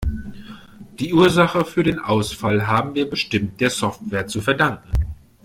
Die Ursache für den Ausfall haben wir bestimmt der Software zu verdanken.